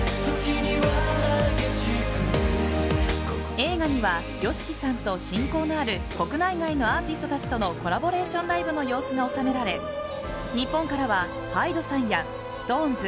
映画にはＹＯＳＨＩＫＩさんと親交のある国内外のアーティストたちとのコラボレーションライブの様子が収められ日本からはＨＹＤＥさんやＳｉｘＴＯＮＥＳ